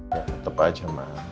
ya tepat aja ma